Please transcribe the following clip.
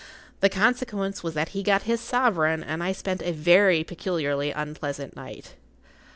The consequence was that he got his sovereign, and I spent a very peculiarly unpleasant night.